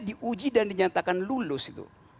diuji dan dinyatakan lulus itu